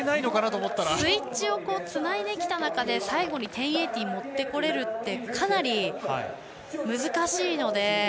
スイッチをつないできた中で最後に１０８０持ってこれるってかなり難しいので。